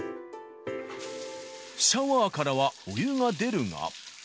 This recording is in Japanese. シャワーからはお湯が出るが。